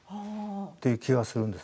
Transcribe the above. そういう気がするんです。